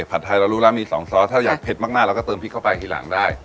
ไทยเรารู้แล้วมี๒ซอสถ้าอยากเผ็ดมากเราก็เติมพริกเข้าไปทีหลังได้